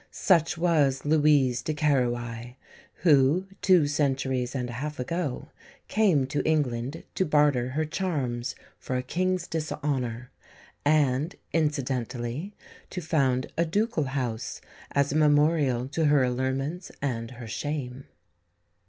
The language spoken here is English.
Such was Louise de Querouaille who, two centuries and a half ago, came to England to barter her charms for a King's dishonour, and, incidentally, to found a ducal house as a memorial to her allurements and her shame.